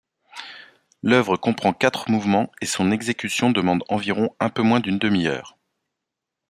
L'œuvre comprend quatre mouvements et son exécution demande environ un peu moins d'une demi-heure.